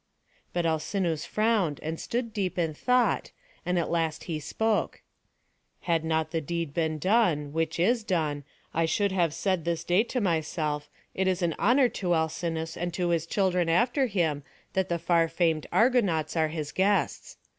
'" But Alcinous frowned, and stood deep in thought; and at last he spoke: "Had not the deed been done, which is done, I should have said this day to myself, 'It is an honour to Alcinous, and to his children after him, that the far famed Argonauts are his guests.'